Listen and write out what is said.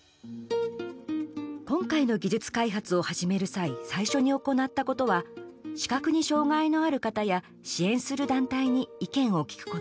今回の技術開発を始める際最初に行ったことは視覚に障害のある方や支援する団体に意見を聞くこと。